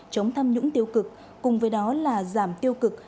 chống tham nhũng tiêu cực cùng với đó là giảm tiêu cực